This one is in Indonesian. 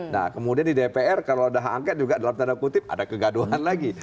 nah kemudian di dpr kalau sudah hak angket juga dalam tanda kutip ada kegaduhan lagi